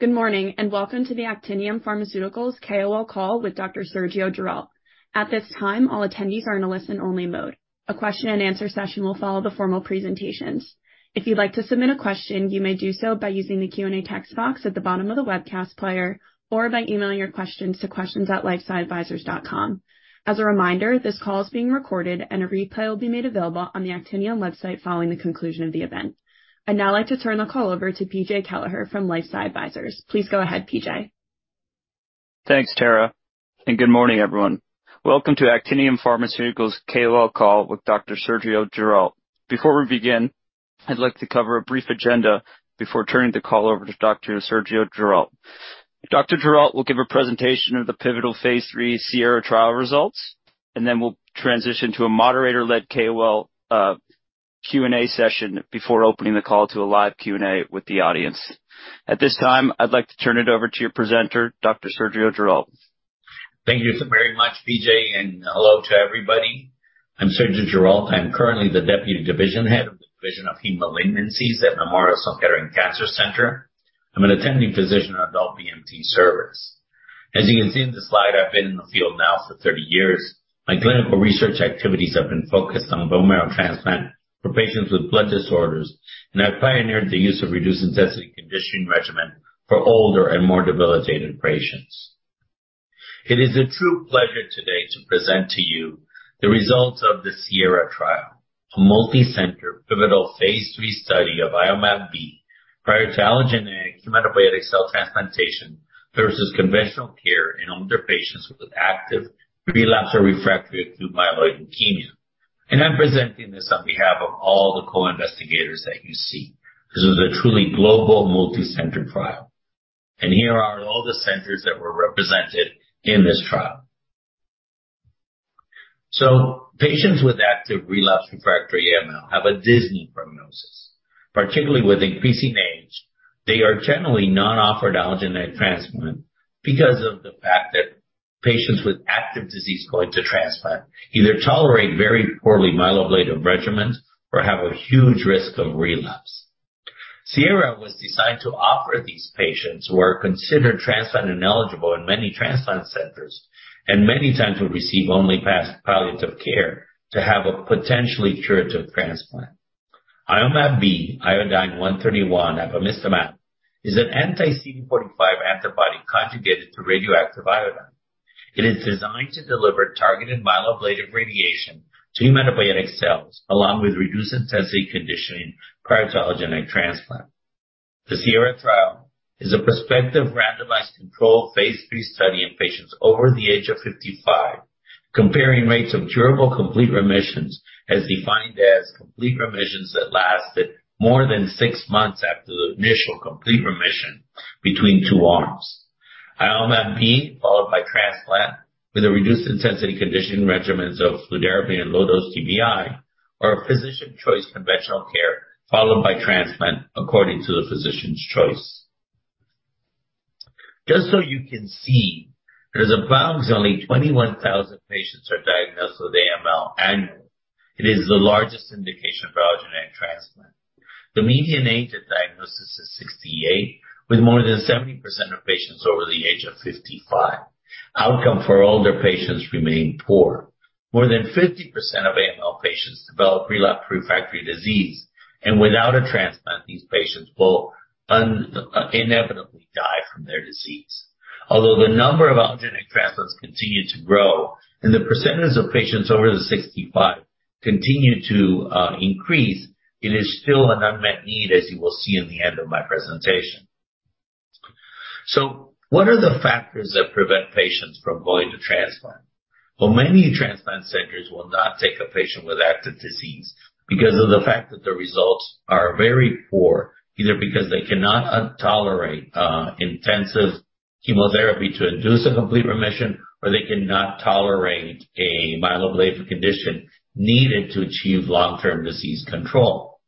Good morning, welcome to the Actinium Pharmaceuticals KOL Call with Dr. Sergio Giralt. At this time, all attendees are in a listen-only mode. A question and answer session will follow the formal presentations. If you'd like to submit a question, you may do so by using the Q&A text box at the bottom of the webcast player or by emailing your questions to questions@lifesciadvisors.com. As a reminder, this call is being recorded and a replay will be made available on the Actinium website following the conclusion of the event. I'd now like to turn the call over to PJ Kelleher from LifeSci Advisors. Please go ahead, PJ. Thanks, Tara. Good morning, everyone. Welcome to Actinium Pharmaceuticals KOL Call with Dr. Sergio Giralt. Before we begin, I'd like to cover a brief agenda before turning the call over to Dr. Sergio Giralt. Dr. Giralt will give a presentation of the pivotal Phase 3 SIERRA trial results. Then we'll transition to a moderator-led KOL Q&A session before opening the call to a live Q&A with the audience. At this time, I'd like to turn it over to your presenter, Dr. Sergio Giralt. Thank you so very much, PJ, and hello to everybody. I'm Sergio Giralt. I'm currently the Deputy Division Head of the Division of Hematologic Malignancies at Memorial Sloan Kettering Cancer Center. I'm an attending physician on adult BMT service. As you can see in the slide, I've been in the field now for 30 years. My clinical research activities have been focused on bone marrow transplant for patients with blood disorders, and I've pioneered the use of reduced-intensity conditioning regimen for older and more debilitated patients. It is a true pleasure today to present to you the results of the SIERRA trial, a multi-center, pivotal Phase 3 study of Iomab-B prior to allogeneic hematopoietic cell transplantation versus conventional care in older patients with active relapsed or refractory acute myeloid leukemia. I'm presenting this on behalf of all the co-investigators that you see. This is a truly global multi-center trial. Here are all the centers that were represented in this trial. Patients with active relapsed refractory AML have a dismal prognosis, particularly with increasing age. They are generally not offered allogeneic transplant because of the fact that patients with active disease going to transplant either tolerate very poorly myeloablative regimens or have a huge risk of relapse. SIERRA was designed to offer these patients who are considered transplant ineligible in many transplant centers, and many times will receive only palliative care to have a potentially curative transplant. Iomab-B Iodine-131 apamistamab is an anti CD45 antibody conjugated to radioactive iodine. It is designed to deliver targeted myeloablative radiation to hematopoietic cells along with reduced-intensity conditioning prior to allogeneic transplant. The SIERRA trial is a prospective randomized control Phase 3 study in patients over the age of 55, comparing rates of durable complete remissions as defined as complete remissions that lasted more than six months after the initial complete remission between two arms. Iomab-B, followed by transplant with a reduced-intensity conditioning regimens of fludarabine and low-dose TBI, or a physician-choice conventional care followed by transplant according to the physician's choice. Just so you can see, it is approximately 21,000 patients are diagnosed with AML annually. It is the largest indication for allogeneic transplant. The median age at diagnosis is 68, with more than 70% of patients over the age of 55. Outcome for older patients remain poor. More than 50% of AML patients develop relapse refractory disease. Without a transplant, these patients will un-inevitably die from their disease. Although the number of allogeneic transplants continue to grow and the percentage of patients over the 65 continue to increase, it is still an unmet need, as you will see in the end of my presentation. What are the factors that prevent patients from going to transplant? Many transplant centers will not take a patient with active disease because of the fact that the results are very poor, either because they cannot tolerate intensive chemotherapy to induce a complete remission, or they cannot tolerate a myeloablative conditioning needed to achieve long-term disease control.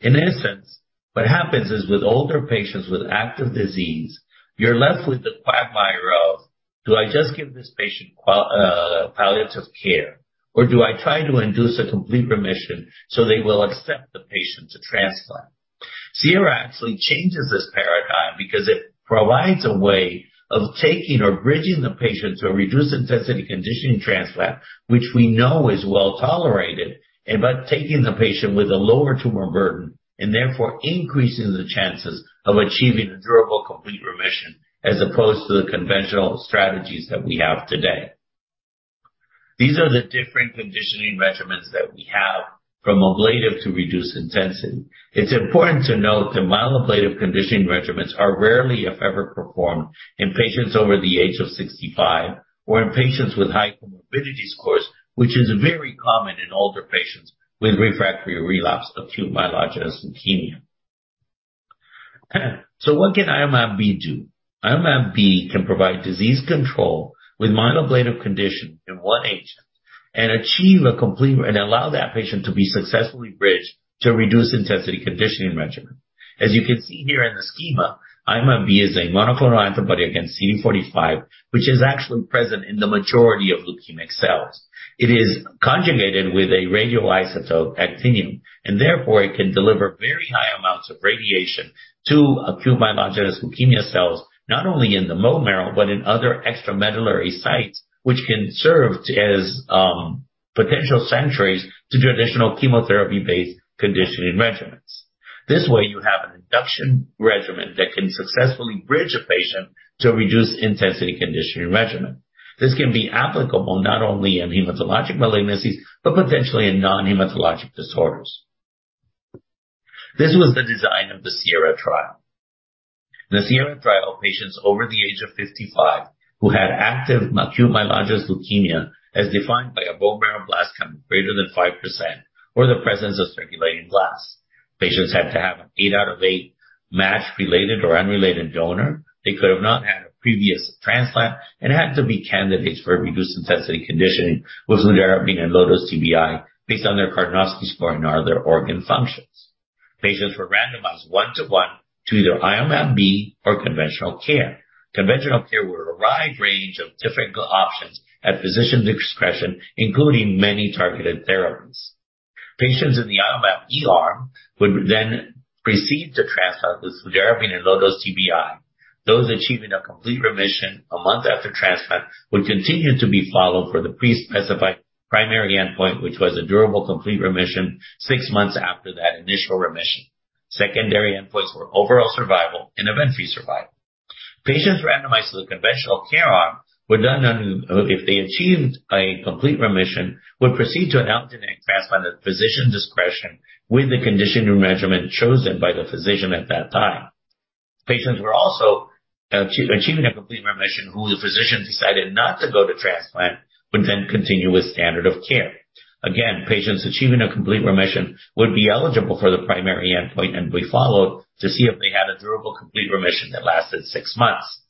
In essence, what happens is with older patients with active disease, you're left with the quagmire of, do I just give this patient palliative care, or do I try to induce a complete remission so they will accept the patient to transplant? SIERRA actually changes this paradigm because it provides a way of taking or bridging the patient to a reduced-intensity conditioning transplant, which we know is well-tolerated, and by taking the patient with a lower tumor burden and therefore increasing the chances of achieving a durable complete remission as opposed to the conventional strategies that we have today. These are the different conditioning regimens that we have from ablative to reduced intensity. It's important to note that myeloablative conditioning regimens are rarely, if ever, performed in patients over the age of 65 or in patients with high comorbidity scores, which is very common in older patients with refractory relapse of acute myeloid leukemia. What can Iomab-B do? Iomab-B can provide disease control with myeloablative conditioning in one agent. Allow that patient to be successfully bridged to reduced-intensity conditioning regimen. As you can see here in the schema, Iomab-B is a monoclonal antibody against CD45, which is actually present in the majority of leukemic cells. It is conjugated with a radioisotope actinium, and therefore it can deliver very high amounts of radiation to acute myelogenous leukemia cells, not only in the bone marrow but in other extramedullary sites, which can serve as potential sentries to traditional chemotherapy-based conditioning regimens. This way, you have an induction regimen that can successfully bridge a patient to a reduced intensity conditioning regimen. This can be applicable not only in hematologic malignancies, but potentially in non-hematologic disorders. This was the design of the SIERRA trial. The SIERRA trial, patients over the age of 55 who had active acute myelogenous leukemia, as defined by a bone marrow blast count greater than 5% or the presence of circulating blasts. Patients had to have an eight out of eight matched related or unrelated donor. They could have not had a previous transplant and had to be candidates for reduced intensity conditioning with fludarabine and low-dose TBI based on their Karnofsky score and other organ functions. Patients were randomized one to one to either Iomab-B or conventional care. Conventional care were a wide range of different options at physician's discretion, including many targeted therapies. Patients in the Iomab-B arm would proceed to transplant with fludarabine and low-dose TBI. Those achieving a complete remission a month after transplant would continue to be followed for the pre-specified primary endpoint, which was a durable complete remission six months after that initial remission. Secondary endpoints were overall survival and event-free survival. Patients randomized to the conventional care arm were done on... If they achieved a complete remission, would proceed to an allogeneic transplant at physician's discretion with the conditioning regimen chosen by the physician at that time. Patients were also achieving a complete remission who the physician decided not to go to transplant would continue with standard of care. Patients achieving a complete remission would be eligible for the primary endpoint and be followed to see if they had a durable complete remission that lasted six months.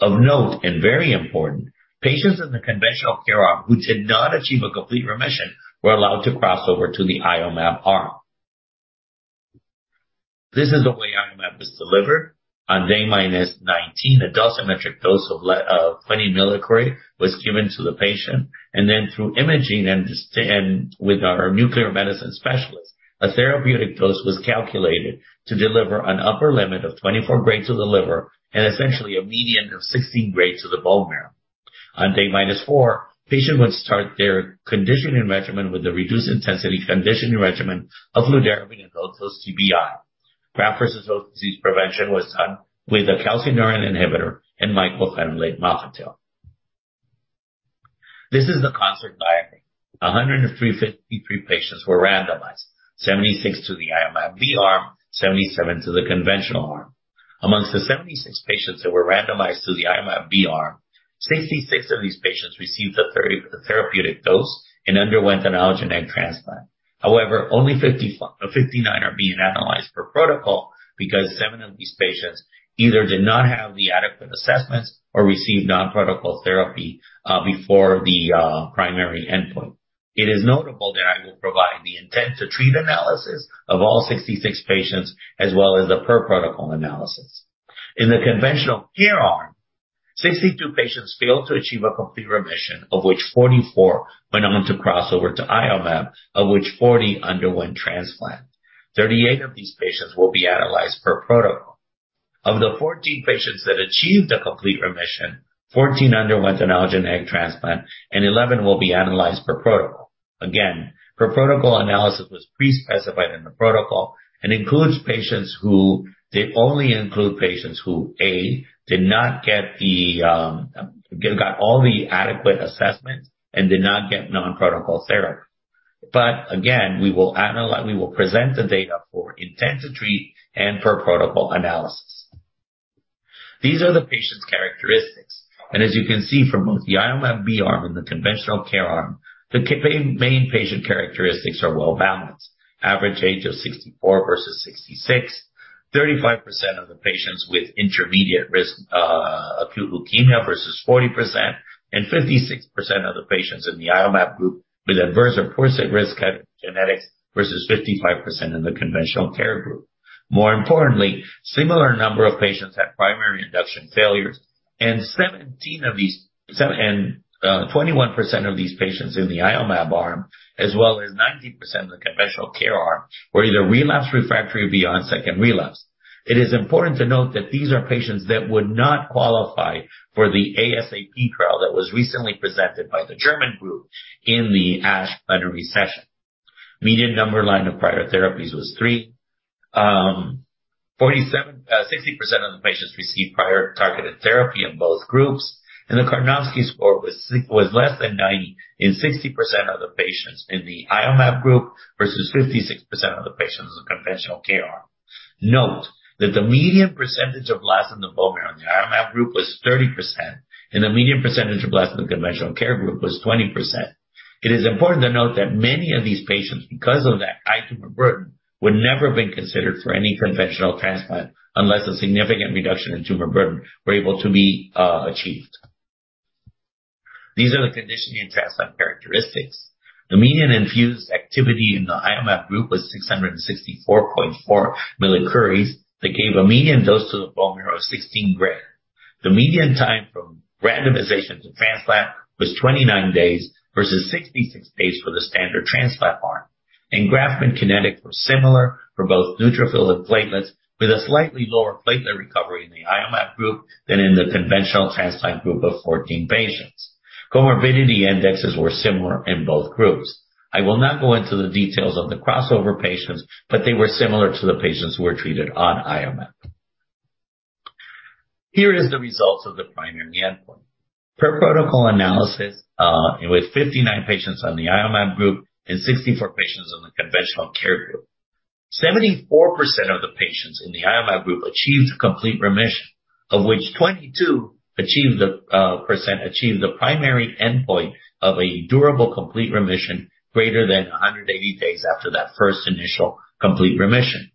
Of note, and very important, patients in the conventional care arm who did not achieve a complete remission were allowed to cross over to the Iomab-B arm. This is the way Iomab-B was delivered. On day -19, a dosimetric dose of 20 millicuries was given to the patient. Through imaging and just. With our nuclear medicine specialist, a therapeutic dose was calculated to deliver an upper limit of 24 Gray to the liver and essentially a median of 16 Gray to the bone marrow. On day -4, patient would start their conditioning regimen with the reduced intensity conditioning regimen of fludarabine and low-dose TBI. Graft-versus-host disease prevention was done with a calcineurin inhibitor and mycophenolate mofetil. This is the consent diary. 103 53 patients were randomized, 76 to the Iomab-B arm, 77 to the conventional arm. Amongst the 76 patients that were randomized to the Iomab-B arm, 66 of these patients received the therapeutic dose and underwent an allogeneic transplant. Only 59 are being analyzed per protocol because seven of these patients either did not have the adequate assessments or received non-protocol therapy before the primary endpoint. It is notable that I will provide the intent to treat analysis of all 66 patients as well as the per protocol analysis. In the conventional care arm, 62 patients failed to achieve a complete remission, of which 44 went on to cross over to Iomab-B, of which 40 underwent transplant. 38 of these patients will be analyzed per protocol. Of the 14 patients that achieved a complete remission, 14 underwent an allogeneic transplant and 11 will be analyzed per protocol. Again, per protocol analysis was pre-specified in the protocol and they only include patients who, a, got all the adequate assessments and did not get non-protocol therapy. Again, we will present the data for intent to treat and per protocol analysis. These are the patient's characteristics. As you can see from both the Iomab-B arm and the conventional care arm, the main patient characteristics are well balanced. Average age of 64 versus 66. 35% of the patients with intermediate risk acute leukemia versus 40% and 56% of the patients in the Iomab-B group with adverse or poor risk genetics versus 55% in the conventional care group. More importantly, similar number of patients had primary induction failures and 21% of these patients in the Iomab-B arm, as well as 19% in the conventional care arm, were either relapse refractory or beyond second relapse. It is important to note that these are patients that would not qualify for the ASAP trial that was recently presented by the German group in the ASH annually session. Median number line of prior therapies was three. 47, 60% of the patients received prior targeted therapy in both groups. The Karnofsky score was less than 90 in 60% of the patients in the I-MM group versus 56% of the patients in the conventional care arm. Note that the median percentage of blast in the bone marrow in the I-MM group was 30%, the median percentage of blast in the conventional care group was 20%. It is important to note that many of these patients, because of their high tumor burden, would never have been considered for any conventional transplant unless a significant reduction in tumor burden were able to be achieved. These are the conditioning transplant characteristics. The median infused activity in the Iomab-B group was 664.4 millicuries that gave a median dose to the bone marrow of 16 Gray. The median time from randomization to transplant was 29 days versus 66 days for the standard transplant arm. Engraftment kinetics were similar for both neutrophil and platelets, with a slightly lower platelet recovery in the Iomab-B group than in the conventional transplant group of 14 patients. Comorbidity indexes were similar in both groups. I will not go into the details of the crossover patients, but they were similar to the patients who were treated on Iomab-B. Here is the results of the primary endpoint. Per protocol analysis, with 59 patients on the Iomab-B group and 64 patients on the conventional care group. 74% of the patients in the Iomab-B group achieved complete remission, of which 22 achieved the primary endpoint of a durable complete remission greater than 180 days after that first initial complete remission.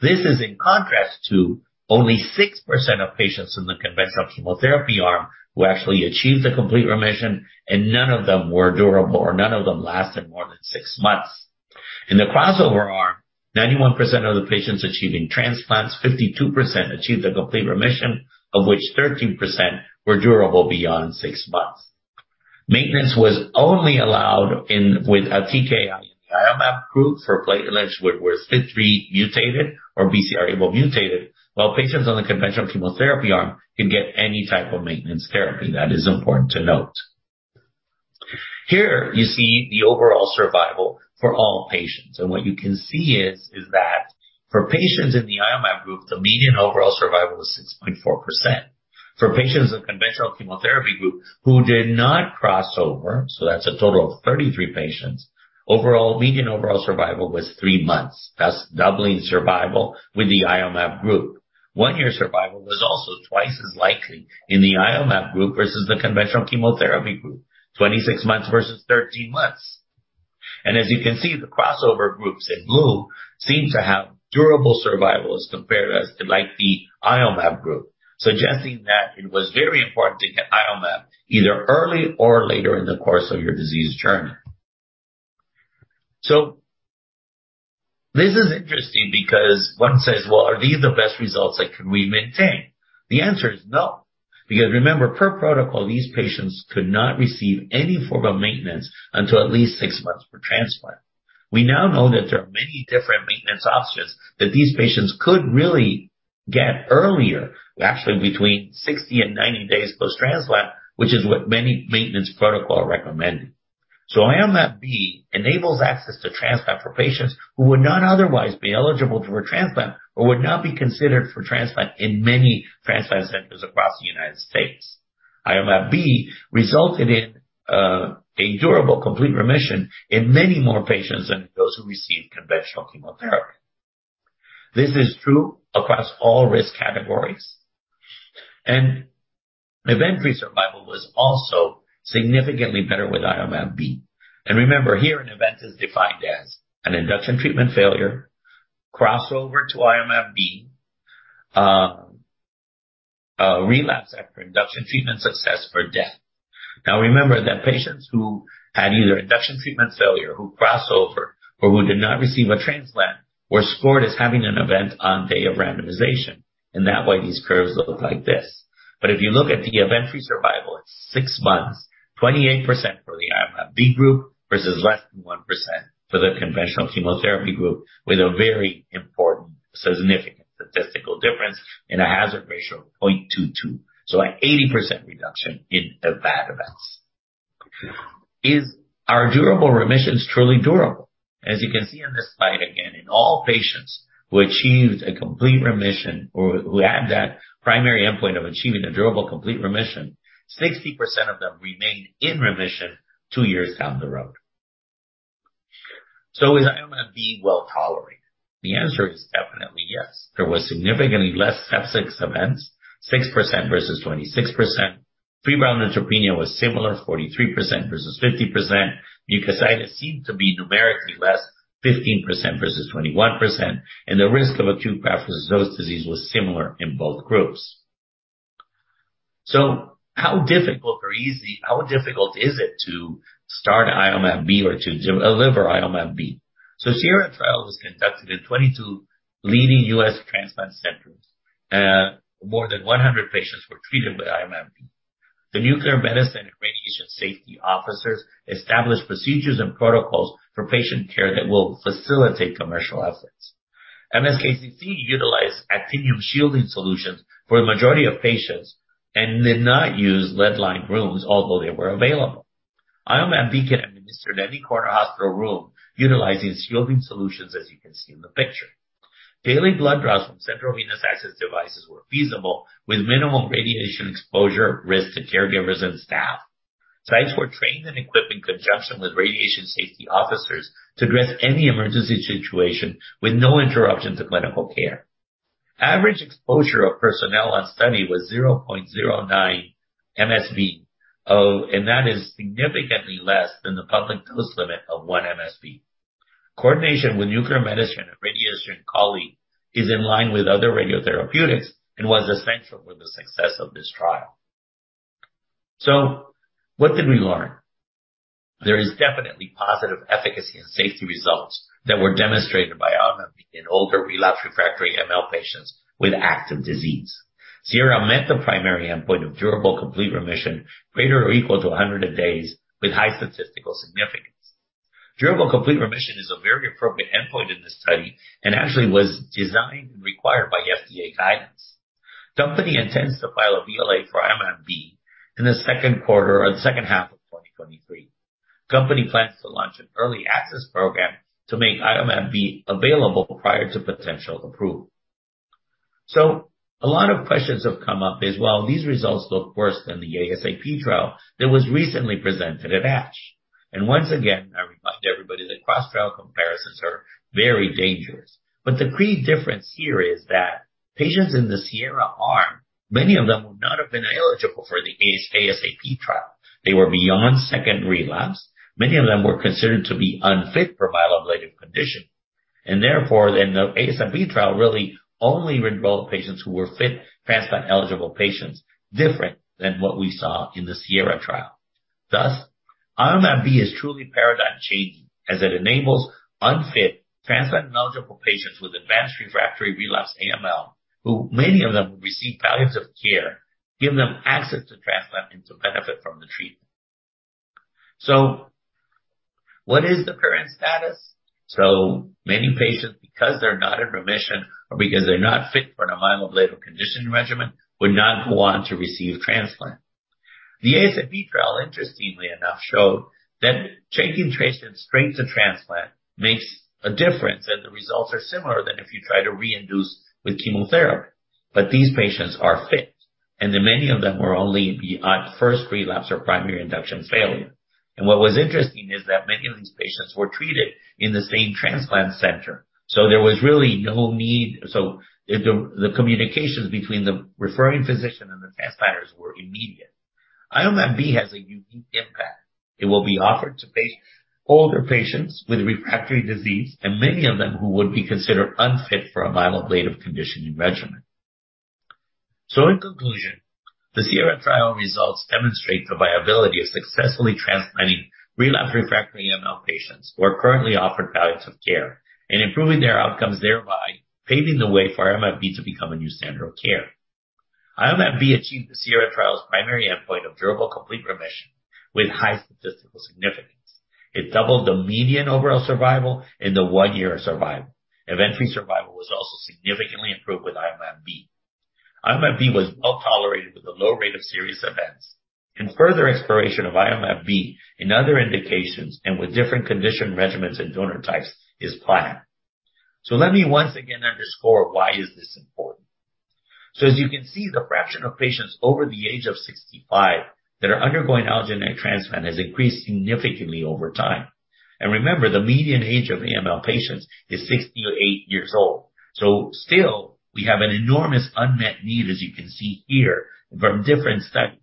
This is in contrast to only 6% of patients in the conventional chemotherapy arm who actually achieved a complete remission, and none of them were durable or none of them lasted more than six months. In the crossover arm, 91% of the patients achieving transplants, 52% achieved a complete remission, of which 13% were durable beyond six months. Maintenance was only allowed in with a TKI in the Iomab-B group for platelets where FLT3 mutated or BCR-ABL1 mutated, while patients on the conventional chemotherapy arm could get any type of maintenance therapy. That is important to note. Here you see the overall survival for all patients. What you can see is that for patients in the Iomab-B group, the median overall survival was 6.4%. For patients in conventional chemotherapy group who did not cross over, that's a total of 33 patients, overall, median overall survival was three months. That's doubling survival with the Iomab-B group. 1-year survival was also twice as likely in the Iomab-B group versus the conventional chemotherapy group. 26 months versus 13 months. As you can see, the crossover groups in blue seem to have durable survivals compared as to like the Iomab-B group, suggesting that it was very important to get Iomab-B either early or later in the course of your disease journey. This is interesting because one says, "Well, are these the best results? Like, can we maintain?" The answer is no, because remember, per protocol, these patients could not receive any form of maintenance until at least six months for transplant. We now know that there are many different maintenance options that these patients could really get earlier, actually between 60 and 90 days post-transplant, which is what many maintenance protocol recommended. Iomab-B enables access to transplant for patients who would not otherwise be eligible for transplant or would not be considered for transplant in many transplant centers across the United States. Iomab-B resulted in a durable complete remission in many more patients than those who received conventional chemotherapy. This is true across all risk categories, and event-free survival was also significantly better with Iomab-B. Remember here, an event is defined as an induction treatment failure, crossover to Iomab-B, a relapse after induction treatment success or death. Remember that patients who had either induction treatment failure, who crossed over or who did not receive a transplant were scored as having an event on day of randomization. That way these curves look like this. If you look at the event-free survival at six months, 28% for the Iomab-B group versus less than 1% for the conventional chemotherapy group with a very important significant statistical difference in a hazard ratio of 0.22. An 80% reduction in the bad events. Are durable remissions truly durable? As you can see on this slide again, in all patients who achieved a complete remission or who had that primary endpoint of achieving a durable, complete remission, 60% of them remained in remission two years down the road. Is Iomab-B well-tolerated? The answer is definitely yes. There was significantly less septic events, 6% versus 26%. Fever of neutropenia was similar, 43% versus 50%. Mucositis seemed to be numerically less, 15% versus 21%. The risk of acute graft-versus-host disease was similar in both groups. How difficult is it to start IOMAB-B or to deliver IOMAB-B? SIERRA trial was conducted in 22 leading U.S. transplant centers, and more than 100 patients were treated with IOMAB-B. The nuclear medicine and radiation safety officers established procedures and protocols for patient care that will facilitate commercial efforts. MSKCC utilized actinium shielding solutions for the majority of patients and did not use lead-lined rooms, although they were available. IOMAB-B can administer any corner hospital room utilizing shielding solutions, as you can see in the picture. Daily blood draws from central venous access devices were feasible with minimal radiation exposure risk to caregivers and staff. Sites were trained and equipped in conjunction with radiation safety officers to address any emergency situation with no interruption to clinical care. Average exposure of personnel on study was 0.09 mSv. That is significantly less than the public dose limit of one mSv. Coordination with nuclear medicine and radiation colleague is in line with other radiotherapeutics and was essential for the success of this trial. What did we learn? There is definitely positive efficacy and safety results that were demonstrated by Iomab-B in older relapsed refractory AML patients with active disease. SIERRA met the primary endpoint of durable complete remission greater or equal to 100 of days with high statistical significance. Durable complete remission is a very appropriate endpoint in this study actually was designed and required by FDA guidance. Company intends to file a BLA for Iomab-B in the second quarter or the second half of 2023. Company plans to launch an early access program to make Iomab-B available prior to potential approval. A lot of questions have come up is, well, these results look worse than the ASAP trial that was recently presented at ASH. Once again, I remind everybody that cross-trial comparisons are very dangerous. The key difference here is that patients in the SIERRA arm, many of them would not have been eligible for the ASAP trial. They were beyond second relapse. Many of them were considered to be unfit for myeloablative conditioning. The ASAP trial really only enrolled patients who were fit transplant-eligible patients, different than what we saw in the SIERRA trial. Thus, Iomab-B is truly paradigm changing as it enables unfit transplant-ineligible patients with advanced refractory relapsed AML, who many of them receive palliative care, give them access to transplant and to benefit from the treatment. What is the current status? Many patients, because they're not in remission or because they're not fit for a myeloablative conditioning regimen, would not go on to receive transplant. The ASAP trial, interestingly enough, showed that taking patients straight to transplant makes a difference, and the results are similar than if you try to reinduce with chemotherapy. These patients are fit, many of them were only at first relapse or primary induction failure. What was interesting is that many of these patients were treated in the same transplant center. There was really no need. The communications between the referring physician and the transplanters were immediate. Iomab-B has a unique impact. It will be offered to older patients with refractory disease and many of them who would be considered unfit for a myeloablative conditioning regimen. In conclusion, the SIERRA trial results demonstrate the viability of successfully transplanting relapsed refractory AML patients who are currently offered palliative care and improving their outcomes, thereby paving the way for Iomab-B to become a new standard of care. Iomab-B achieved the SIERRA trial's primary endpoint of durable complete remission with high statistical significance. It doubled the median overall survival and the 1-year survival. Event-free survival was also significantly improved with Iomab-B. Iomab-B was well-tolerated with a low rate of serious events. Further exploration of Iomab-B in other indications and with different condition regimens and donor types is planned. Let me once again underscore why is this important. As you can see, the fraction of patients over the age of 65 that are undergoing allogeneic transplant has increased significantly over time. Remember, the median age of AML patients is 68 years old. Still, we have an enormous unmet need, as you can see here from different studies.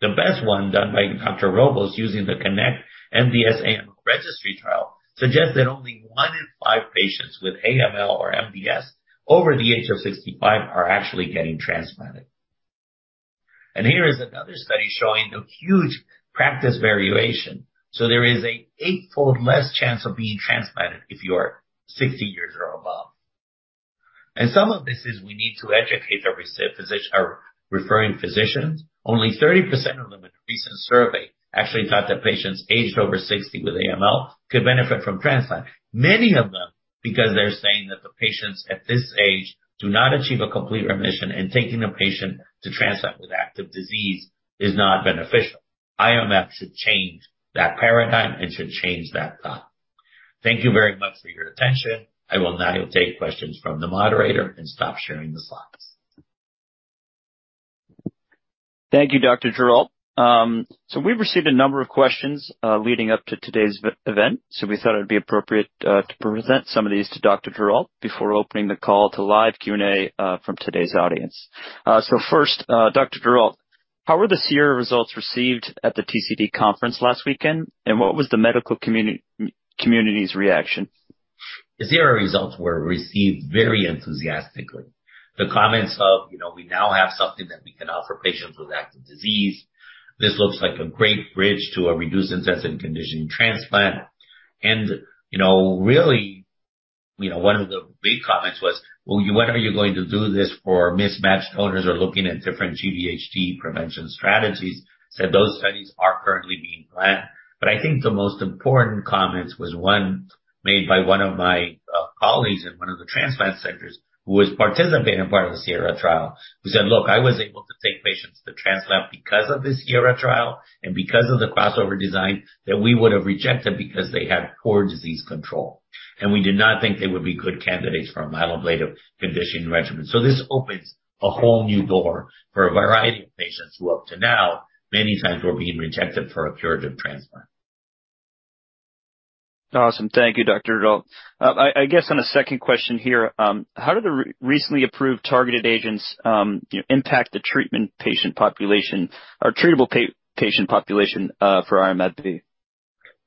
The best one done by Dr. Roboz using the Connect MDS/AML registry trial suggests that only one in five patients with AML or MDS over the age of 65 are actually getting transplanted. Here is another study showing the huge practice variation. There is a 8-fold less chance of being transplanted if you are 60 years or above. Some of this is we need to educate our referring physicians. Only 30% of them in a recent survey actually thought that patients aged over 60 with AML could benefit from transplant, many of them because they're saying that the patients at this age do not achieve a complete remission, and taking the patient to transplant with active disease is not beneficial. Iomab-B should change that paradigm and should change that thought. Thank you very much for your attention. I will now take questions from the moderator and stop sharing the slides. Thank you, Dr. Giralt. We've received a number of questions leading up to today's e-event, we thought it would be appropriate to present some of these to Dr. Giralt before opening the call to live Q&A from today's audience. First, Dr. Giralt, how were the SIERRA results received at the TCT conference last weekend? What was the medical community's reaction? The SIERRA results were received very enthusiastically. The comments of, you know, we now have something that we can offer patients with active disease. This looks like a great bridge to a reduced-intensity conditioning transplant. You know, really, you know, one of the big comments was, well, when are you going to do this for mismatched donors or looking at different GVHD prevention strategies? Said those studies are currently being planned. I think the most important comments was one made by one of my colleagues in one of the transplant centers who was participating in part of the SIERRA trial, who said, "Look, I was able to take patients to transplant because of the SIERRA trial and because of the crossover design that we would have rejected because they had poor disease control. We did not think they would be good candidates for a myeloablative conditioning regimen." This opens a whole new door for a variety of patients who up to now many times were being rejected for a curative transplant. Awesome. Thank you, Dr. Giralt. I guess on a second question here, how do the recently approved targeted agents impact the treatment patient population or treatable patient population for Iomab-B?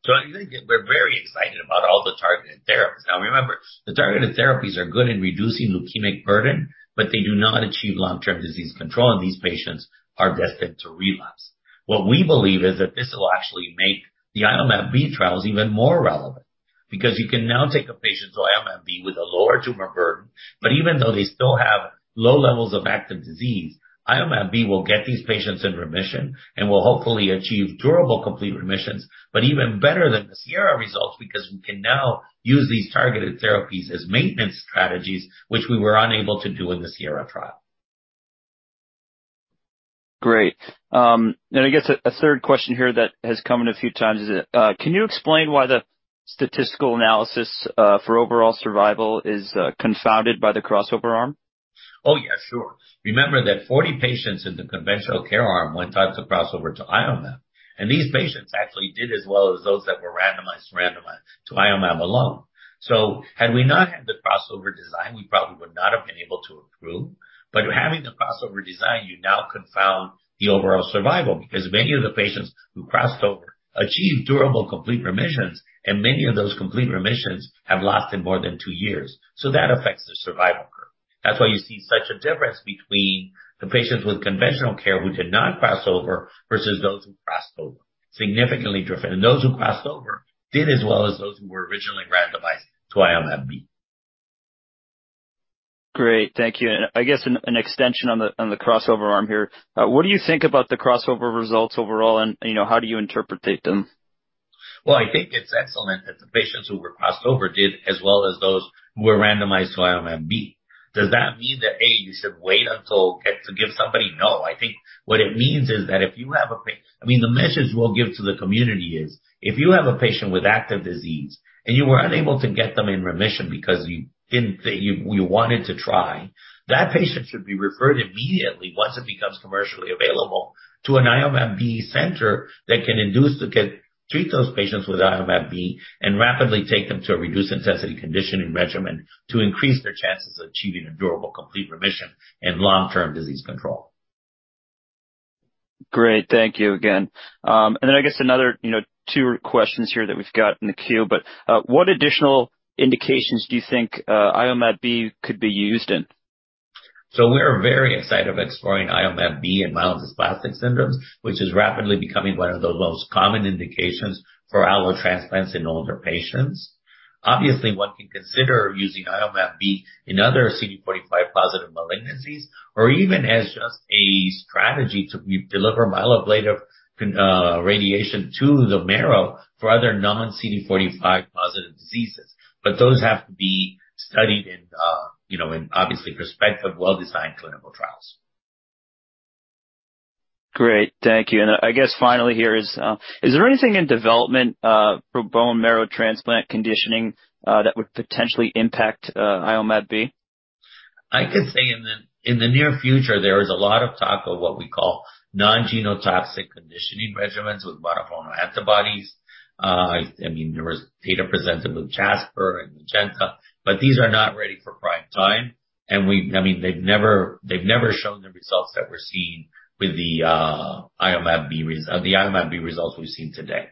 I think we're very excited about all the targeted therapies. Remember, the targeted therapies are good in reducing leukemic burden, but they do not achieve long-term disease control, and these patients are destined to relapse. What we believe is that this will actually make the Iomab-B trials even more relevant because you can now take a patient to Iomab-B with a lower tumor burden, but even though they still have low levels of active disease, Iomab-B will get these patients in remission and will hopefully achieve durable complete remissions, but even better than the SIERRA results, because we can now use these targeted therapies as maintenance strategies which we were unable to do in the SIERRA trial. Great. I guess a third question here that has come in a few times is that, can you explain why the statistical analysis for overall survival is confounded by the crossover arm? Oh, yeah, sure. Remember that 40 patients in the conventional care arm went on to crossover to Iomab-B, and these patients actually did as well as those that were randomized to Iomab-B alone. Had we not had the crossover design, we probably would not have been able to approve. Having the crossover design, you now confound the overall survival because many of the patients who crossed over achieved durable complete remissions, and many of those complete remissions have lasted more than two years. That affects the survival curve. That's why you see such a difference between the patients with conventional care who did not crossover versus those who crossed over. Significantly different. Those who crossed over did as well as those who were originally randomized to Iomab-B. Great. Thank you. I guess an extension on the, on the crossover arm here. What do you think about the crossover results overall? You know, how do you interpret them? Well, I think it's excellent that the patients who were crossed over did as well as those who were randomized to Iomab-B. Does that mean that, A, you should wait until get to give somebody? No. I think what it means is that if you have a patient with active disease, and you were unable to get them in remission because you didn't, that you wanted to try, that patient should be referred immediately once it becomes commercially available to an Iomab-B center that can induce, treat those patients with Iomab-B and rapidly take them to a reduced-intensity conditioning regimen to increase their chances of achieving a durable complete remission and long-term disease control. Great. Thank you again. I guess another, you know, two questions here that we've got in the queue, what additional indications do you think Iomab-B could be used in? We're very excited of exploring Iomab-B in myelodysplastic syndromes, which is rapidly becoming one of the most common indications for allo transplants in older patients. Obviously, one can consider using Iomab-B in other CD45 positive malignancies or even as just a strategy to deliver myeloablative radiation to the marrow for other non-CD45 positive diseases. Those have to be studied in, you know, in obviously prospective, well-designed clinical trials. Great. Thank you. I guess finally here is there anything in development for bone marrow transplant conditioning that would potentially impact Iomab-B? I could say in the, in the near future, there is a lot of talk of what we call non-genotoxic conditioning regimens with monoclonal antibodies. I mean, there was data presented with Jasper and Magenta, but these are not ready for prime time. I mean, they've never shown the results that we're seeing with the Iomab-B results we've seen today.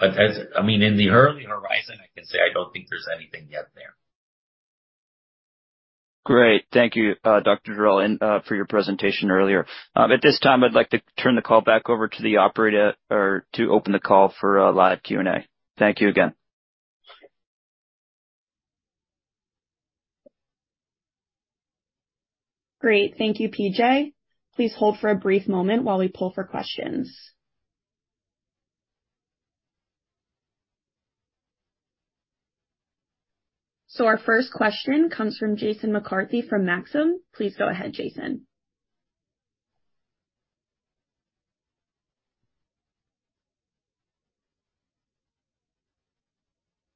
I mean, in the early horizon, I can say I don't think there's anything yet there. Great. Thank you, Dr. Giralt, and for your presentation earlier. At this time, I'd like to turn the call back over to the operator or to open the call for a live Q&A. Thank you again. Great. Thank you, PJ. Please hold for a brief moment while we pull for questions. Our first question comes from Jason McCarthy from Maxim. Please go ahead, Jason.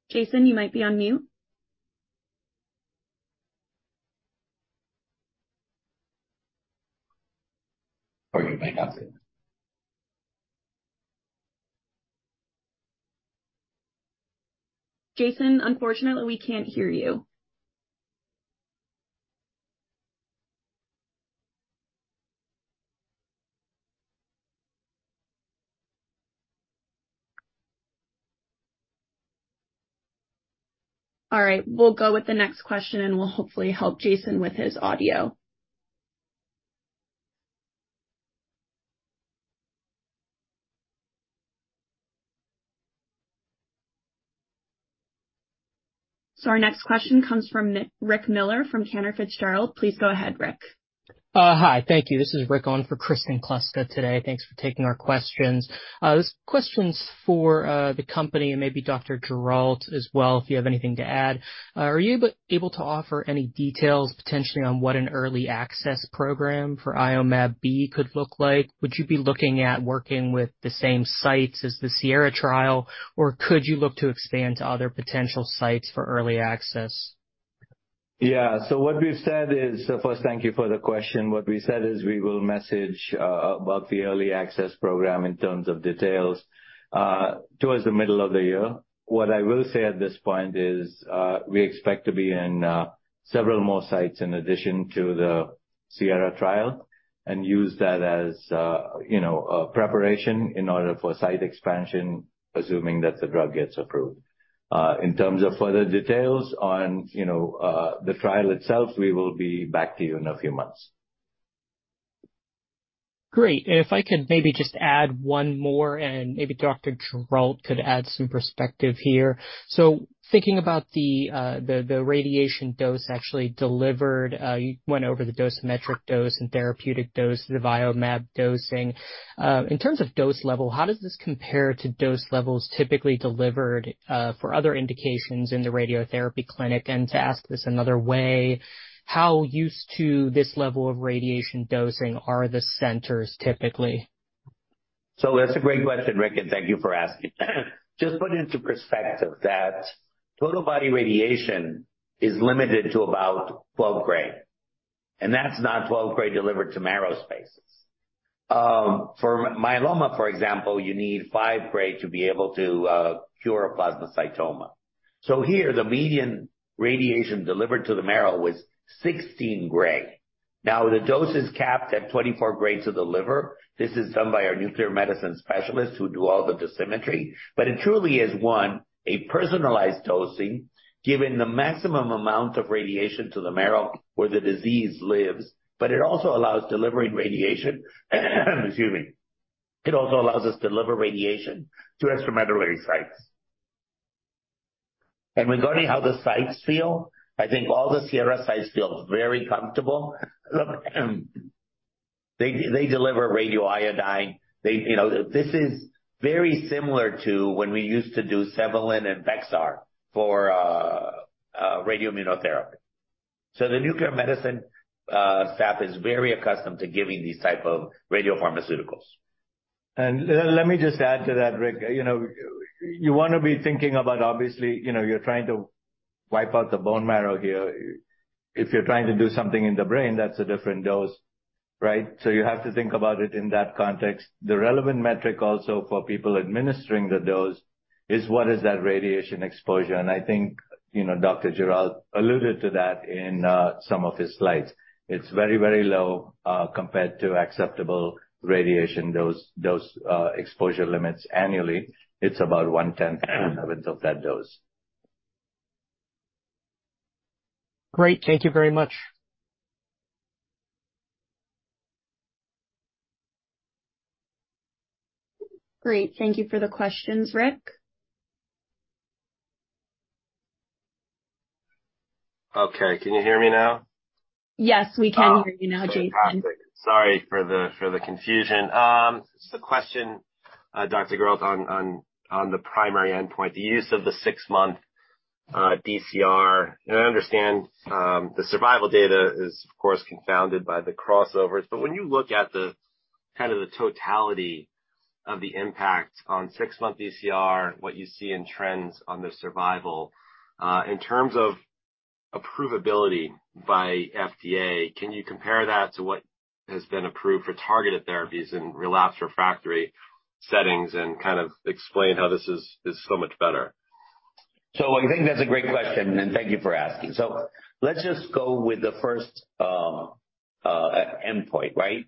Jason, you might be on mute. You might not be. Jason, unfortunately, we can't hear you. All right, we'll go with the next question, and we'll hopefully help Jason with his audio. Our next question comes from Rick Miller from Cantor Fitzgerald. Please go ahead, Rick. Hi. Thank you. This is Rick on for Kristen Kluska today. Thanks for taking our questions. This question's for the company and maybe Dr. Giralt as well, if you have anything to add. Are you able to offer any details potentially on what an early access program for Iomab-B could look like? Would you be looking at working with the same sites as the SIERRA trial, or could you look to expand to other potential sites for early access? Yeah. What we've said is. First, thank you for the question. What we said is we will message about the early access program in terms of details towards the middle of the year. What I will say at this point is we expect to be in several more sites in addition to the SIERRA trial use that as, you know, a preparation in order for site expansion, assuming that the drug gets approved. In terms of further details on, you know, the trial itself, we will be back to you in a few months. Great. If I could maybe just add one more, and maybe Dr. Giralt could add some perspective here. Thinking about the, the radiation dose actually delivered, you went over the dosimetric dose and therapeutic dose, the IOMAB dosing. In terms of dose level, how does this compare to dose levels typically delivered, for other indications in the radiotherapy clinic? To ask this another way, how used to this level of radiation dosing are the centers typically? That's a great question, Rick, and thank you for asking. Just put into perspective that total body radiation is limited to about 12 Gray, and that's not 12 Gray delivered to marrow spaces. For myeloma, for example, you need five Gray to be able to cure a plasmacytoma. Here the median radiation delivered to the marrow was 16 Gray. Now the dose is capped at 24 Gray to the liver. This is done by our nuclear medicine specialists who do all the dosimetry. It truly is, one, a personalized dosing, giving the maximum amount of radiation to the marrow where the disease lives, but it also allows us to deliver radiation to extramedullary sites. Regarding how the sites feel, I think all the SIERRA sites feel very comfortable. They deliver radioiodine. They, you know, this is very similar to when we used to do Zevalin and Bexxar for radioimmunotherapy. The nuclear medicine staff is very accustomed to giving these type of radiopharmaceuticals. Let me just add to that, Rick. You know, you wanna be thinking about, obviously, you know, you're trying to wipe out the bone marrow here. If you're trying to do something in the brain, that's a different dose, right? You have to think about it in that context. The relevant metric also for people administering the dose is what is that radiation exposure? I think, you know, Dr. Giralt alluded to that in some of his slides. It's very, very low compared to acceptable radiation dose exposure limits annually. It's about one-tenth of that dose. Great. Thank you very much. Great. Thank you for the questions, Rick. Okay. Can you hear me now? Yes, we can hear you now, Jason. Fantastic. Sorry for the confusion. Just a question, Dr. Giralt, on the primary endpoint, the use of the six-month DCR. I understand the survival data is of course confounded by the crossovers, but when you look at kind of the totality of the impact on six-month DCR, what you see in trends on the survival, in terms of approvability by FDA, can you compare that to what has been approved for targeted therapies in relapse refractory settings and kind of explain how this is so much better? I think that's a great question, and thank you for asking. Let's just go with the first endpoint, right?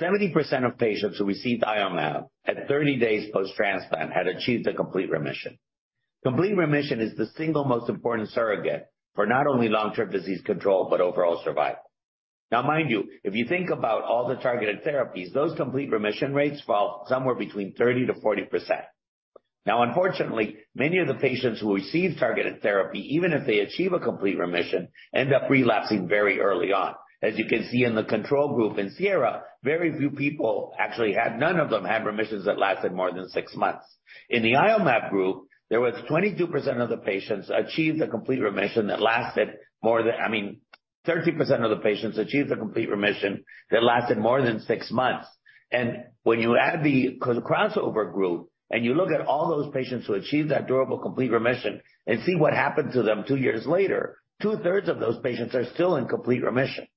70% of patients who received Iomab-B at 30 days post-transplant had achieved a complete remission. Complete remission is the single most important surrogate for not only long-term disease control, but overall survival. Mind you, if you think about all the targeted therapies, those complete remission rates fall somewhere between 30%-40%. Unfortunately, many of the patients who receive targeted therapy, even if they achieve a complete remission, end up relapsing very early on. As you can see in the control group in SIERRA, very few people actually had none of them had remissions that lasted more than six months. In the Iomab-B group, there was 22% of the patients achieved a complete remission that lasted I mean, 13% of the patients achieved a complete remission that lasted more than six months. When you add the crossover group and you look at all those patients who achieved that durable complete remission and see what happened to them two years later, two-thirds of those patients are still in complete remission.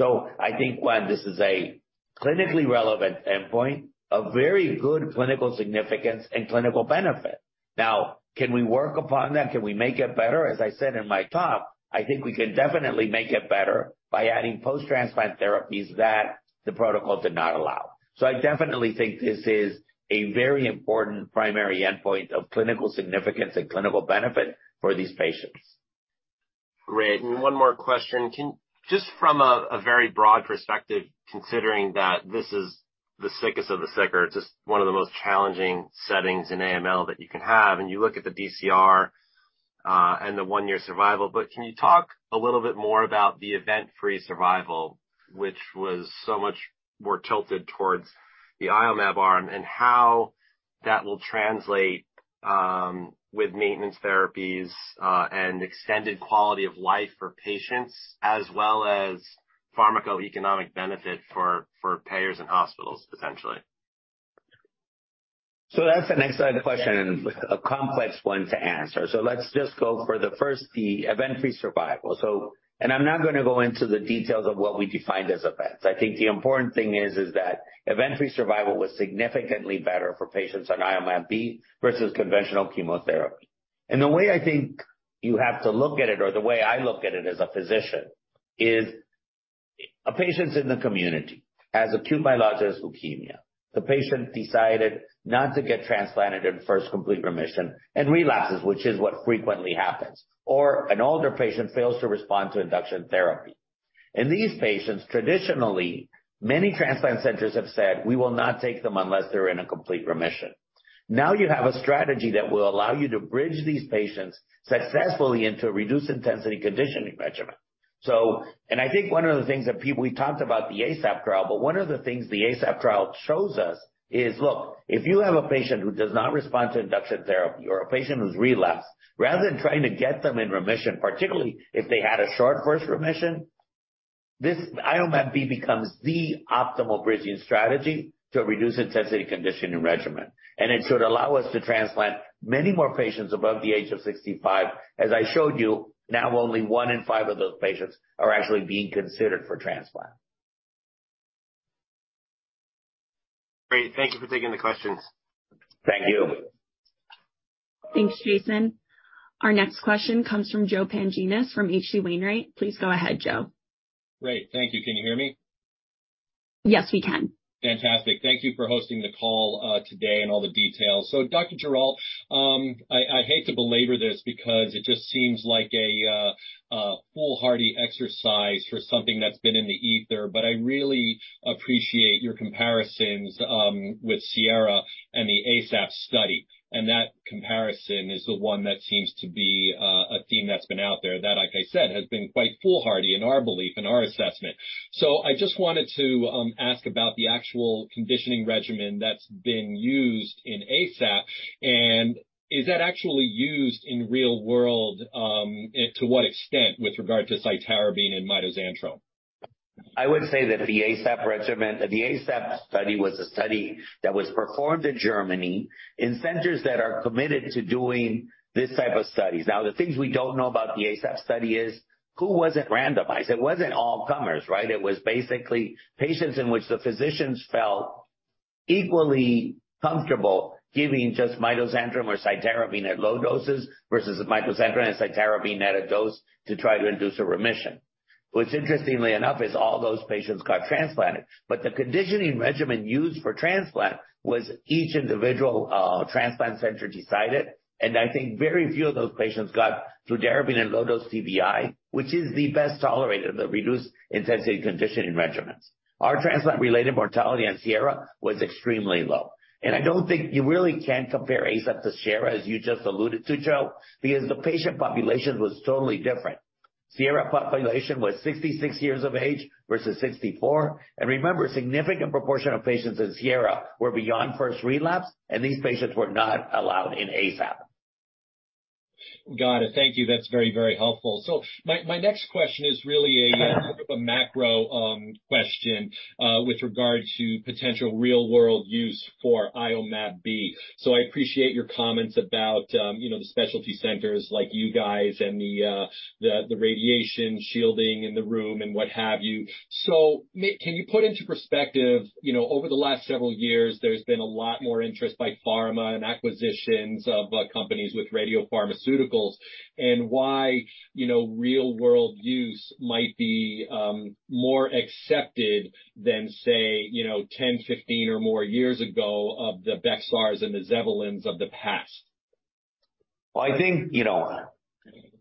I think, one, this is a clinically relevant endpoint, a very good clinical significance and clinical benefit. Can we work upon that? Can we make it better? As I said in my talk, I think we can definitely make it better by adding post-transplant therapies that the protocol did not allow. I definitely think this is a very important primary endpoint of clinical significance and clinical benefit for these patients. Great. One more question. Just from a very broad perspective, considering that this is the sickest of the sick or just one of the most challenging settings in AML that you can have, and you look at the DCR and the one-year survival, but can you talk a little bit more about the event-free survival, which was so much more tilted towards the Iomab-B arm, and how that will translate with maintenance therapies and extended quality of life for patients as well as pharmacoeconomic benefit for payers and hospitals potentially? That's an excellent question and a complex one to answer. Let's just go for the 1st, the event-free survival. And I'm not gonna go into the details of what we defined as events. I think the important thing is that event-free survival was significantly better for patients on Iomab-B versus conventional chemotherapy. The way I think you have to look at it, or the way I look at it as a physician, is a patient's in the community, has acute myelogenous leukemia. The patient decided not to get transplanted in 1st complete remission and relapses, which is what frequently happens. An older patient fails to respond to induction therapy. In these patients, traditionally, many transplant centers have said, "We will not take them unless they're in a complete remission." Now you have a strategy that will allow you to bridge these patients successfully into a reduced-intensity conditioning regimen. I think one of the things that we talked about the ASAP trial, but one of the things the ASAP trial shows us is, look, if you have a patient who does not respond to induction therapy or a patient who's relapsed, rather than trying to get them in remission, particularly if they had a short first remission, this Iomab-B becomes the optimal bridging strategy to a reduced-intensity conditioning regimen. It should allow us to transplant many more patients above the age of 65. As I showed you, now, only one in five of those patients are actually being considered for transplant. Great. Thank you for taking the questions. Thank you. Thanks, Jason. Our next question comes from Joe Pantginis from H.C. Wainwright. Please go ahead, Joe. Great. Thank you. Can you hear me? Yes, we can. Fantastic. Thank you for hosting the call, today and all the details. Dr. Giralt, I hate to belabor this because it just seems like a foolhardy exercise for something that's been in the ether, but I really appreciate your comparisons with SIERRA and the ASAP study. That comparison is the one that seems to be a theme that's been out there that, like I said, has been quite foolhardy in our belief, in our assessment. I just wanted to ask about the actual conditioning regimen that's been used in ASAP. Is that actually used in real world, and to what extent with regard to cytarabine and mitoxantrone? I would say that the ASAP regimen, the ASAP study was a study that was performed in Germany in centers that are committed to doing this type of studies. The things we don't know about the ASAP study is who wasn't randomized. It wasn't all comers, right? It was basically patients in which the physicians felt equally comfortable giving just mitoxantrone or cytarabine at low doses versus mitoxantrone and cytarabine at a dose to try to induce a remission. What's interestingly enough is all those patients got transplanted, the conditioning regimen used for transplant was each individual transplant center decided. I think very few of those patients got fludarabine and low-dose cyclophosphamide, which is the best tolerated of the reduced-intensity conditioning regimens. Our transplant-related mortality on SIERRA was extremely low. I don't think you really can compare ASAP to SIERRA, as you just alluded to, Joe, because the patient population was totally different. SIERRA population was 66 years of age versus 64. Remember, a significant proportion of patients in SIERRA were beyond first relapse, and these patients were not allowed in ASAP. Got it. Thank you. That's very, very helpful. My, my next question is really a macro question with regard to potential real-world use for Iomab-B. I appreciate your comments about, you know, the specialty centers like you guys and the radiation shielding in the room and what have you. Can you put into perspective, you know, over the last several years, there's been a lot more interest by pharma and acquisitions of companies with radiopharmaceuticals and why, you know, real-world use might be more accepted than, say, you know, 10, 15 or more years ago of the Bexxars and the Zevalins of the past? Well, I think, you know,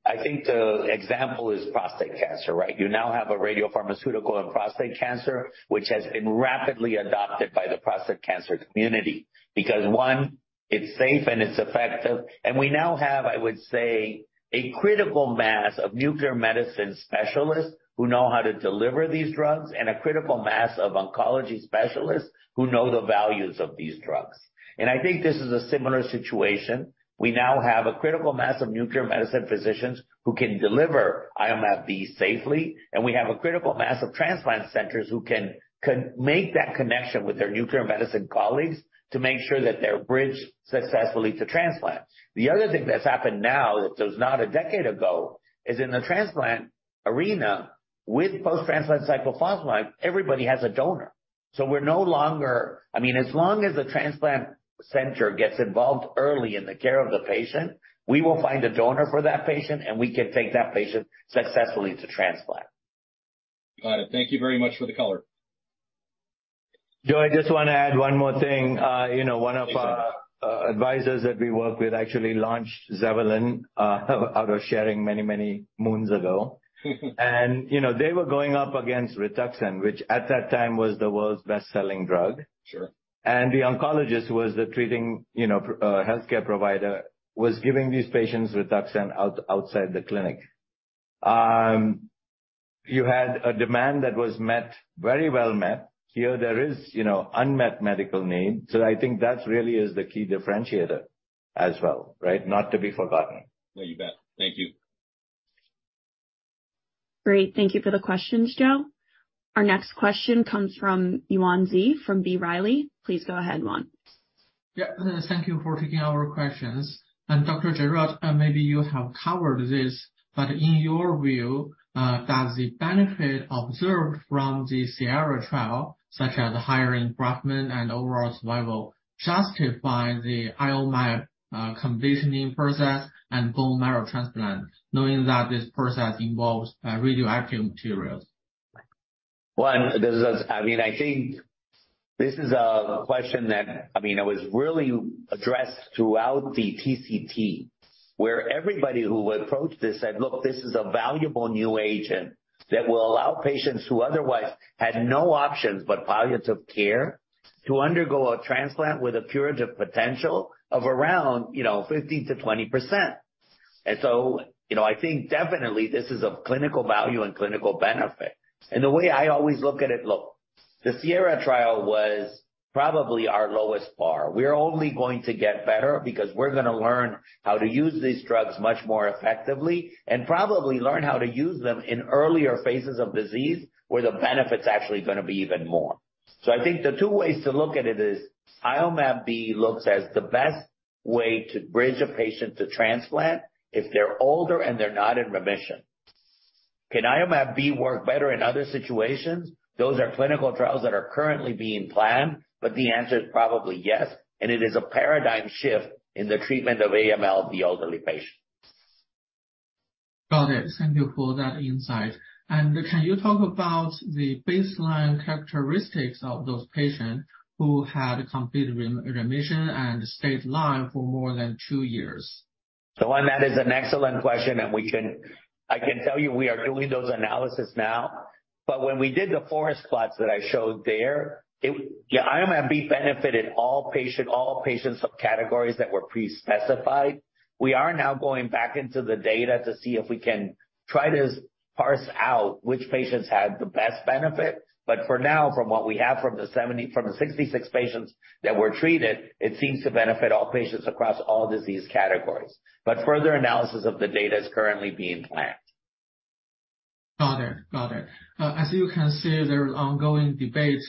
I think the example is prostate cancer, right? You now have a radiopharmaceutical in prostate cancer, which has been rapidly adopted by the prostate cancer community. Because, one, it's safe and it's effective, and we now have, I would say, a critical mass of nuclear medicine specialists who know how to deliver these drugs and a critical mass of oncology specialists who know the values of these drugs. I think this is a similar situation. We now have a critical mass of nuclear medicine physicians who can deliver Iomab-B safely, and we have a critical mass of transplant centers who can make that connection with their nuclear medicine colleagues to make sure that they're bridged successfully to transplant. The other thing that's happened now that does not a decade ago is in the transplant arena with post-transplant cyclophosphamide, everybody has a donor. We're no longer... I mean, as long as the transplant center gets involved early in the care of the patient, we will find a donor for that patient, and we can take that patient successfully to transplant. Got it. Thank you very much for the color. Joe, I just want to add one more thing. You know, one of our advisors that we work with actually launched Zevalin out of sharing many, many moons ago. You know, they were going up against Rituxan, which at that time was the world's best-selling drug. Sure. The oncologist who was the treating, you know, healthcare provider, was giving these patients Rituxan outside the clinic. You had a demand that was met, very well met. Here there is, you know, unmet medical need. I think that really is the key differentiator as well, right? Not to be forgotten. No, you bet. Thank you. Great. Thank you for the questions, Joe. Our next question comes from Yuan Zhi from B. Riley. Please go ahead, Yuan. Yeah. Thank you for taking our questions. Dr. Giralt, maybe you have covered this, but in your view, does the benefit observed from the SIERRA trial, such as higher engraftment and overall survival justify the Iomab-B conditioning process and bone marrow transplant, knowing that this process involves radioactive materials? Well, I mean, I think this is a question that, I mean, it was really addressed throughout the TCT, where everybody who approached this said, "Look, this is a valuable new agent that will allow patients who otherwise had no options but palliative care to undergo a transplant with a curative potential of around, you know, 15% to 20%." you know, I think definitely this is of clinical value and clinical benefit. The way I always look at it, look, the SIERRA trial was probably our lowest bar. We're only going to get better because we're gonna learn how to use these drugs much more effectively and probably learn how to use them in earlier phases of disease where the benefit's actually gonna be even more. I think the two ways to look at it is Iomab-B looks as the best way to bridge a patient to transplant if they're older and they're not in remission. Can Iomab-B work better in other situations? Those are clinical trials that are currently being planned, but the answer is probably yes, and it is a paradigm shift in the treatment of AML of the elderly patient. Got it. Thank you for that insight. Can you talk about the baseline characteristics of those patients who had complete remission and stayed live for more than two years? One, that is an excellent question, and I can tell you we are doing those analysis now. When we did the forest plots that I showed there, Yeah, Iomab-B benefited all patients of categories that were pre-specified. We are now going back into the data to see if we can try to parse out which patients had the best benefit. For now, from what we have from the 66 patients that were treated, it seems to benefit all patients across all disease categories. Further analysis of the data is currently being planned. Got it. Got it. As you can see, there's ongoing debate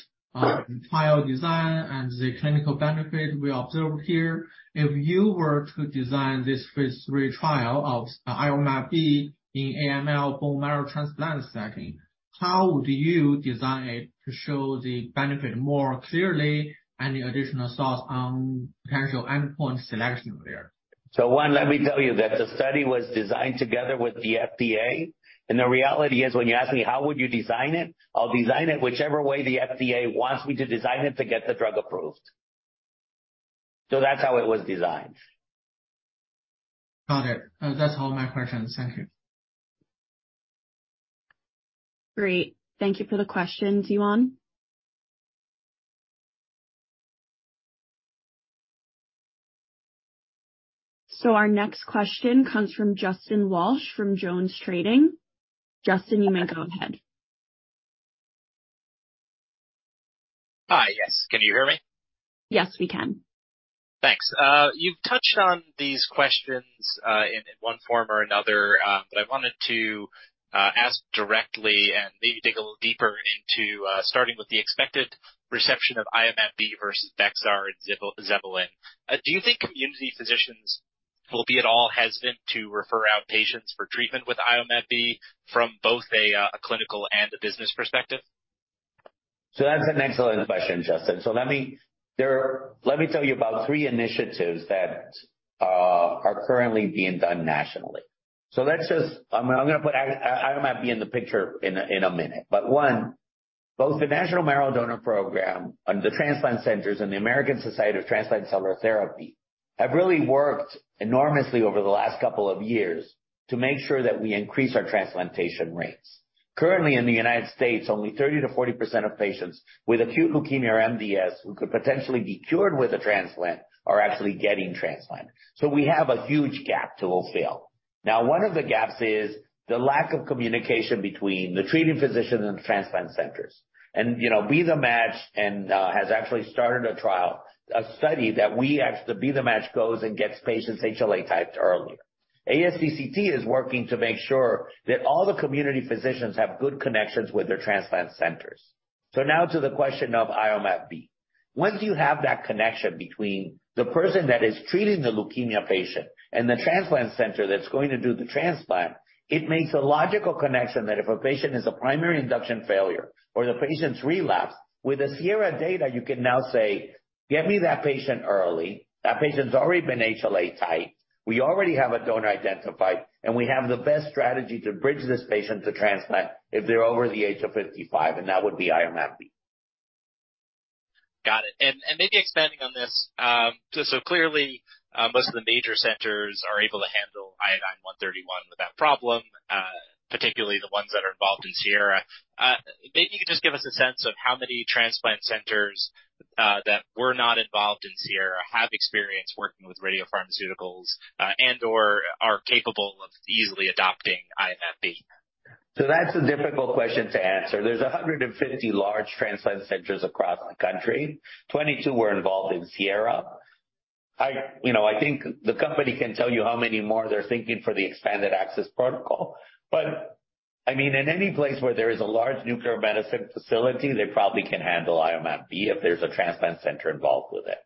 on the trial design and the clinical benefit we observed here. If you were to design this phase three trial of Iomab-B in AML bone marrow transplant setting, how would you design it to show the benefit more clearly and the additional thoughts on potential endpoint selection there? One, let me tell you that the study was designed together with the FDA. The reality is when you ask me, "How would you design it?" I'll design it whichever way the FDA wants me to design it to get the drug approved. That's how it was designed. Got it. That's all my questions. Thank you. Great. Thank you for the question, Yuan. Our next question comes from Justin Walsh from JonesTrading. Justin, you may go ahead. Hi. Yes. Can you hear me? Yes, we can. Thanks. You've touched on these questions, in one form or another, I wanted to ask directly and maybe dig a little deeper into starting with the expected reception of Iomab-B versus Bexxar and Zevalin. Do you think community physicians will be at all hesitant to refer out patients for treatment with Iomab-B from both a clinical and a business perspective? That's an excellent question, Justin. Let me tell you about three initiatives that are currently being done nationally. Let's just... I'm gonna put Iomab-B in the picture in a minute. One, both the National Marrow Donor Program and the transplant centers and the American Society for Transplantation and Cellular Therapy have really worked enormously over the last couple of years to make sure that we increase our transplantation rates. Currently, in the United States, only 30%-40% of patients with acute leukemia or MDS who could potentially be cured with a transplant are actually getting transplant. We have a huge gap to fulfill. Now, one of the gaps is the lack of communication between the treating physician and the transplant centers. You know, Be The Match and has actually started a trial, a study that we asked the Be The Match goes and gets patients HLA typed earlier. ASTCT is working to make sure that all the community physicians have good connections with their transplant centers. Now to the question of Iomab-B. Once you have that connection between the person that is treating the leukemia patient and the transplant center that's going to do the transplant, it makes a logical connection that if a patient is a primary induction failure or the patient's relapse, with the SIERRA data you can now say, "Get me that patient early. That patient's already been HLA typed. We already have a donor identified, and we have the best strategy to bridge this patient to transplant if they're over the age of 55, and that would be Iomab-B. Got it. Maybe expanding on this, clearly, most of the major centers are able to handle Iodine-131 without problem, particularly the ones that are involved in SIERRA. Maybe you can just give us a sense of how many transplant centers that were not involved in SIERRA have experience working with radiopharmaceuticals, and/or are capable of easily adopting Iomab-B. That's a difficult question to answer. There's 150 large transplant centers across the country. 22 were involved in SIERRA. I, you know, I think the company can tell you how many more they're thinking for the expanded access protocol. I mean, in any place where there is a large nuclear medicine facility, they probably can handle Iomab-B if there's a transplant center involved with it.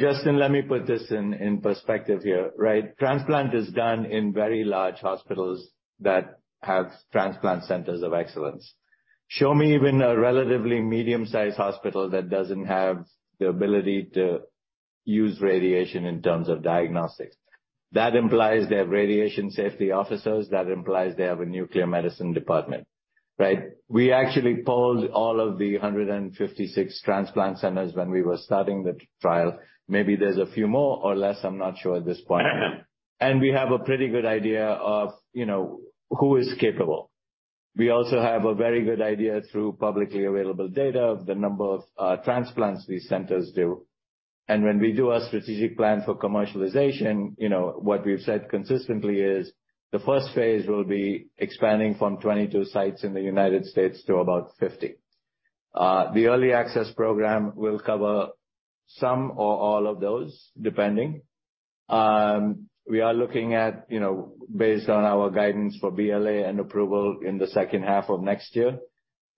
Justin, let me put this in perspective here, right? Transplant is done in very large hospitals that have transplant centers of excellence. Show me even a relatively medium-sized hospital that doesn't have the ability to use radiation in terms of diagnostics. That implies they have radiation safety officers. That implies they have a nuclear medicine department, right? We actually polled all of the 156 transplant centers when we were starting the trial. Maybe there's a few more or less, I'm not sure at this point. We have a pretty good idea of, you know, who is capable. We also have a very good idea through publicly available data of the number of transplants these centers do. When we do our strategic plan for commercialization, you know, what we've said consistently is the first phase will be expanding from 22 sites in the United States to about 50. The early access program will cover some or all of those, depending. We are looking at, you know, based on our guidance for BLA and approval in the second half of next year.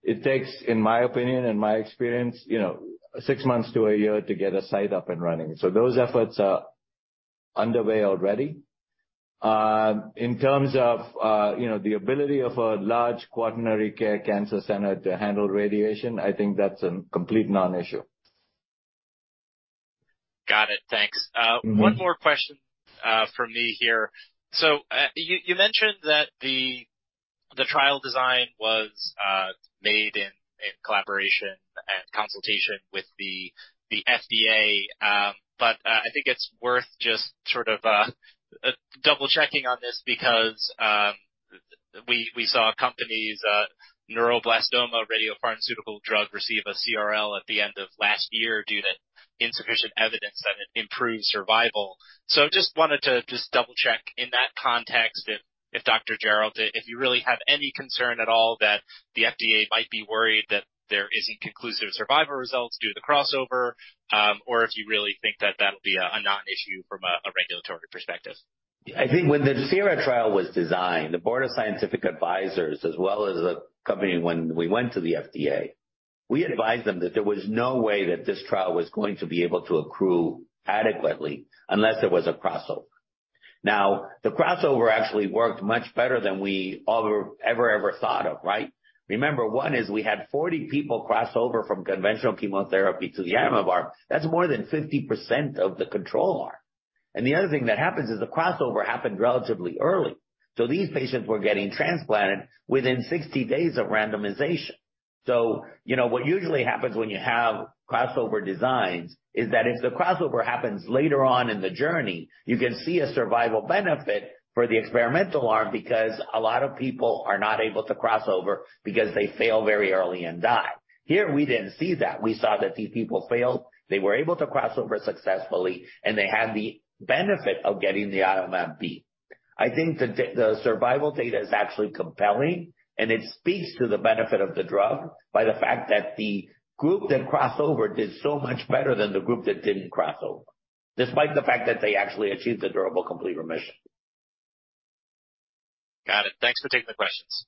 It takes, in my opinion and my experience, you know, six months to a year to get a site up and running. Those efforts are underway already. In terms of, you know, the ability of a large quaternary care cancer center to handle radiation, I think that's a complete non-issue. Got it. Thanks. Mm-hmm. One more question from me here. You mentioned that the trial design was made in collaboration and consultation with the FDA. I think it's worth just sort of double-checking on this because we saw companies' neuroblastoma radiopharmaceutical drug receive a CRL at the end of last year due to insufficient evidence that it improved survival. Just wanted to double-check in that context if Sergio Giralt, if you really have any concern at all that the FDA might be worried that there isn't conclusive survival results due to the crossover, or if you really think that that'll be a non-issue from a regulatory perspective. I think when the SIERRA trial was designed, the Board of Scientific Advisors as well as the company, when we went to the FDA, we advised them that there was no way that this trial was going to be able to accrue adequately unless there was a crossover. Now, the crossover actually worked much better than we ever thought of, right? Remember, one is we had 40 people crossover from conventional chemotherapy to the apamistamab. That's more than 50% of the control arm. The other thing that happens is the crossover happened relatively early. These patients were getting transplanted within 60 days of randomization. You know what usually happens when you have crossover designs is that if the crossover happens later on in the journey, you can see a survival benefit for the experimental arm because a lot of people are not able to cross over because they fail very early and die. Here, we didn't see that. We saw that these people failed, they were able to cross over successfully, and they had the benefit of getting the Iomab-B. I think the survival data is actually compelling, and it speaks to the benefit of the drug by the fact that the group that crossed over did so much better than the group that didn't cross over, despite the fact that they actually achieved a durable complete remission. Got it. Thanks for taking the questions.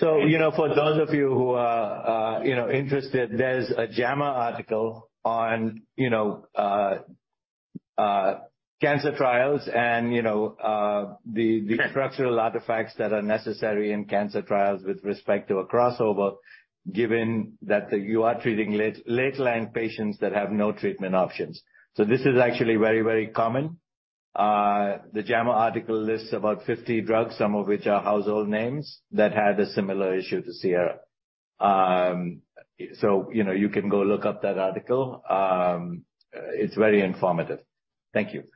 You know, for those of you who are, you know, interested, there's a JAMA article on, you know, cancer trials and, you know, the structural artifacts that are necessary in cancer trials with respect to a crossover, given that you are treating late-line patients that have no treatment options. This is actually very, very common. The JAMA article lists about 50 drugs, some of which are household names that had a similar issue to SIERRA. You know, you can go look up that article. It's very informative. Thank you.